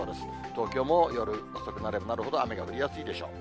東京も夜遅くなればなるほど雨が降りやすいでしょう。